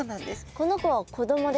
この子は子供ですか？